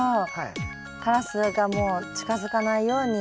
カラスがもう近づかないように。